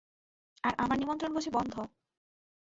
আর আমার নিমন্ত্রণ বুঝি বন্ধ?